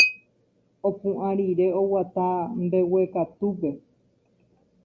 Opu'ã rire oguata mbeguekatúpe.